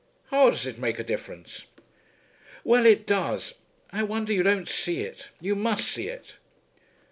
"How does it make a difference?" "Well; it does. I wonder you don't see it. You must see it."